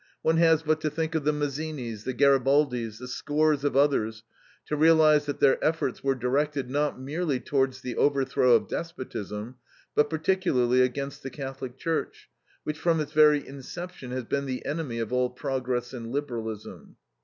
One has but to think of the Mazzinis, the Garibaldis, the scores of others, to realize that their efforts were directed, not merely towards the overthrow of despotism, but particularly against the Catholic Church, which from its very inception has been the enemy of all progress and liberalism.